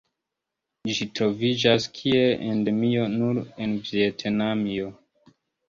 Ĝi troviĝas kiel endemio nur en Vjetnamio.